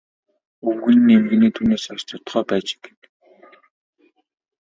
Өвгөн нь эмгэнээ түүнээс хойш зодохоо байж гэнэ.